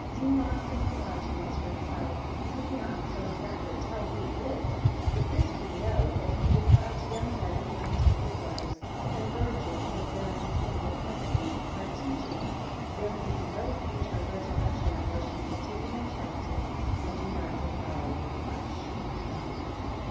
16 Demas and Hermogenes replied, We cannot so exactly tell who he is; but this we know, that he deprives young men of their (intended) wives, and virgins of their (intended) husbands, by teaching, There can be no future resurrection, unless ye continue in chastity, and do not defile your flesh.